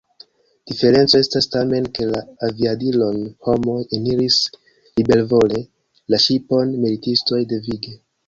Diferenco estas tamen, ke la aviadilon homoj eniris libervole, la ŝipon militistoj devige.